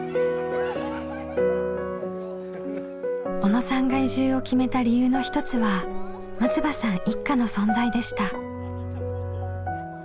小野さんが移住を決めた理由の一つは松場さん一家の存在でした。